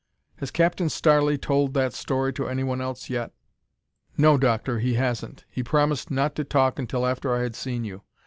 "Has Captain Starley told that story to anyone else yet?" "No, Doctor, he hasn't. He promised not to talk until after I had seen you.